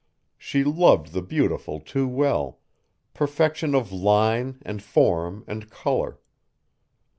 She loved the beautiful too well, perfection of line and form and color.